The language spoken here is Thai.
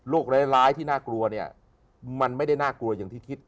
ร้ายที่น่ากลัวเนี่ยมันไม่ได้น่ากลัวอย่างที่คิด